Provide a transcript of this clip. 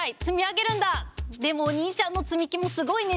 でもお兄ちゃんの積み木もすごいね。